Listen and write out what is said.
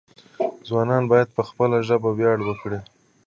ځوانان باید په خپله ژبه ویاړ وکړي.